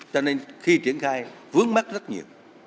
cho nên khi triển khai vướng mắt rất nhiều